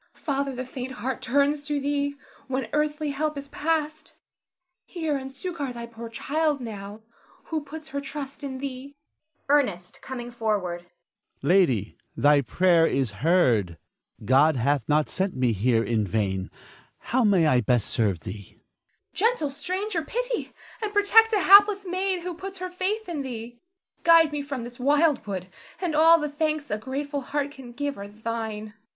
Father, the faint heart turns to thee when earthly help is past; hear and succor thy poor child now, who puts her trust in thee. Ernest [coming forward]. Lady, thy prayer is heard. God hath not sent me here in vain. How may I best serve thee? Zara. Gentle stranger, pity and protect a hapless maid who puts her faith in thee. Guide me from this wild wood, and all the thanks a grateful heart can give are thine. Ernest.